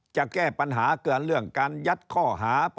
จะแก้ปัญหาเกิดเรื่องการยัดข้อหา